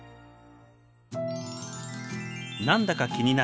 何だか気になる